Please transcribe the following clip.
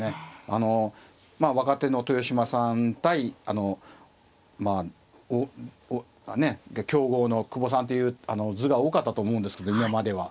あの若手の豊島さん対あのまあ強豪の久保さんという図が多かったと思うんですけど今までは。